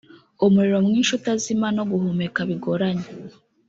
umuriro mwinshi utazima no guhumeka bigoranye